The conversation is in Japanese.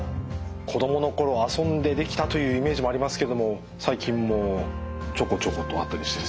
子供の頃遊んでできたというイメージもありますけども最近もちょこちょことあったりしてですね。